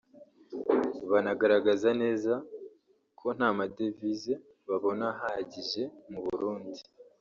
banagaragaza neza ko ntama Devise babona ahagijje mu Burundi